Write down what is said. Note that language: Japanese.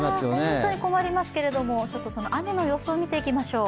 本当に困りますけどその雨の予想、見ていきましょう。